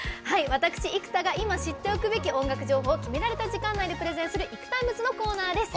私、生田が今、知っておくべき音楽情報を決められた時間内でプレゼンする「ＩＫＵＴＩＭＥＳ」のコーナーです。